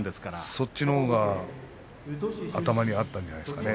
そっちのほうが頭にあったんじゃないですかね。